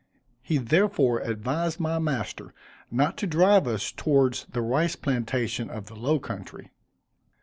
He therefore advised my master not to drive us towards the rice plantation of the low country.